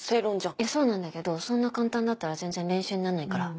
いやそうなんだけどそんな簡単だったら全然練習にならないから。